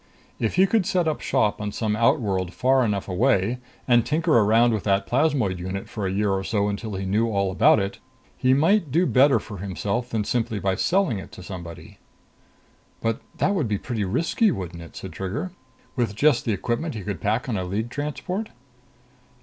If he could set up shop on some outworld far enough away, and tinker around with that plasmoid unit for a year or so until he knew all about it, he might do better for himself than by simply selling it to somebody." "But that would be pretty risky, wouldn't it?" said Trigger. "With just the equipment he could pack on a League transport."